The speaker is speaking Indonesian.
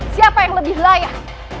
siapa yang lebih layak